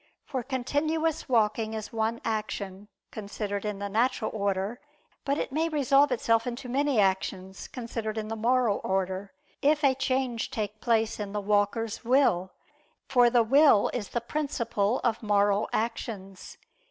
For continuous walking is one action, considered in the natural order: but it may resolve itself into many actions, considered in the moral order, if a change take place in the walker's will, for the will is the principle of moral actions.